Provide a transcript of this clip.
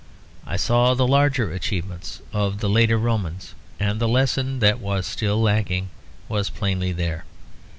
I saw the larger achievements of the later Romans; and the lesson that was still lacking was plainly there.